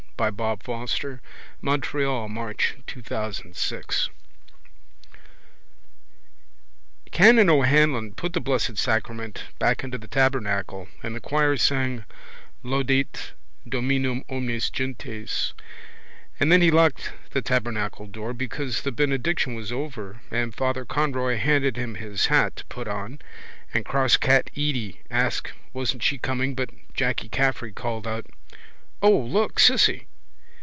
Come what might she would be wild, untrammelled, free. Canon O'Hanlon put the Blessed Sacrament back into the tabernacle and genuflected and the choir sang Laudate Dominum omnes gentes and then he locked the tabernacle door because the benediction was over and Father Conroy handed him his hat to put on and crosscat Edy asked wasn't she coming but Jacky Caffrey called out: —O, look, Cissy!